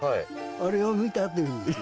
あれを見たっていうんですよね